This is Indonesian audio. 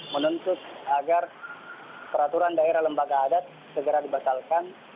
menuntut agar peraturan daerah lembaga adat segera dibatalkan